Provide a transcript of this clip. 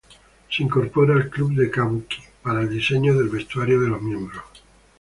Se incorpora al club de kabuki para el diseño del vestuario del los miembros.